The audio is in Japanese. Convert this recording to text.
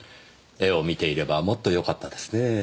絵を見ていればもっとよかったですねえ。